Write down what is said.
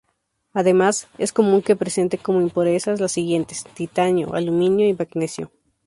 Además, es común que presente como impurezas las siguientes: titanio, aluminio y magnesio.